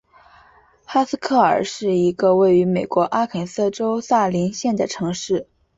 哈斯克尔是一个位于美国阿肯色州萨林县的城市。